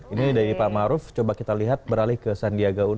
ini dari pak ma'ruf coba kita lihat beralih ke sandiwada gauno